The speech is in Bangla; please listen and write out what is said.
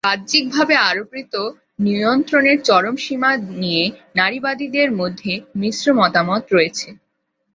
বাহ্যিকভাবে আরোপিত নিয়ন্ত্রণের চরম সীমা নিয়ে নারীবাদীদের মধ্যে মিশ্র মতামত রয়েছে।